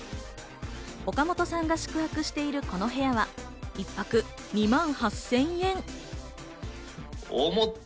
岡本さんが宿泊しているこの部屋は一泊２万８０００円。